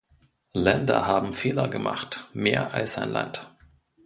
Länder haben Fehler gemacht, mehr als ein Land.